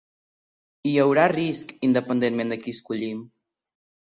Hi haurà risc, independentment de qui escollim.